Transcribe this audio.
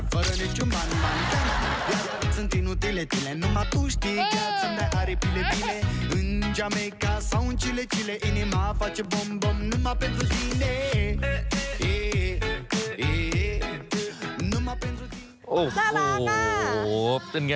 ฟลิวมากเลยนะคะอยู่รองกลางด้วยนี่